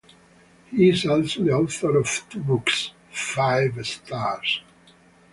He is also the author of two books: Five Stars!